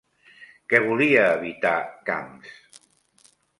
Què volia evitar Camps?